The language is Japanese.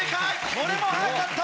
これも早かった！